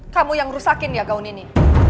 kamu yang rusakin ya gaun ini